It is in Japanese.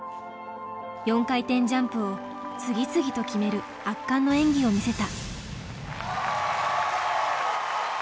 ４回転ジャンプを次々と決める圧巻の演技を見せた。